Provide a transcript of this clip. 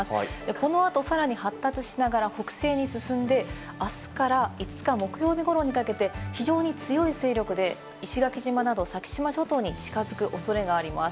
この後、さらに発達しながら北西に進んで、あすから５日、木曜日頃にかけて非常に強い勢力で石垣島など先島諸島に近づく恐れがあります。